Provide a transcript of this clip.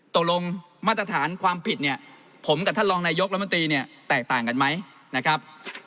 ตกลงมาตรฐานความผิดเนี่ยผมกับท่านรองนายกรัฐมนตรีเนี่ยแตกต่างกันไหมนะครับ